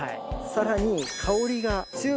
さらに。